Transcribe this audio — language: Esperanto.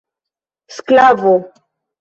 sklavo